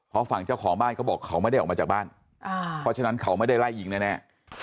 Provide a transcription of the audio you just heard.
เพราะฝั่งเจ้าของบ้านเขาบอกเขาไม่ได้ออกมาจากบ้านเพราะฉะนั้นเขาไม่ได้ไล่ยิงแน่